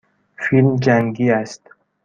فیلم جنگی است.